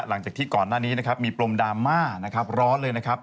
หลังจากที่ก่อนหน้านี้นะครับมีปรมดราม่านะครับร้อนเลยนะครับ